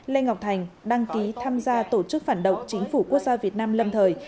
lê ngọc thành đăng ký tham gia tổ chức phản động chính phủ quốc gia việt nam lâm thời